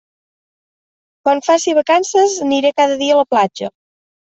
Quan faci vacances aniré cada dia a la platja.